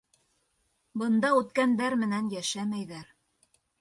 — Бында үткәндәр менән йәшәмәйҙәр.